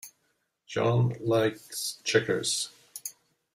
John likes checkers.